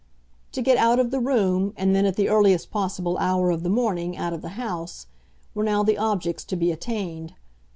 To get out of the room, and then at the earliest possible hour of the morning out of the house, were now the objects to be attained.